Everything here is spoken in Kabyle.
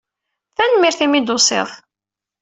Tanemmirt imi ay d-tusiḍ!